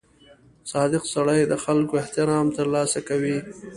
• صادق سړی د خلکو احترام ترلاسه کوي.